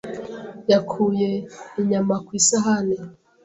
Yakuye inyama ku isahani.